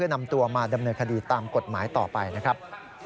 นำตัวมาดำเนินคดีตามกฎหมายต่อไปนะครับ